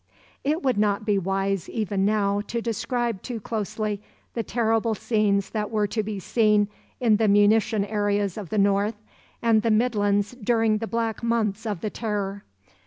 It would not be wise, even now, to describe too closely the terrible scenes that were to be seen in the munition areas of the north and the midlands during the black months of the Terror.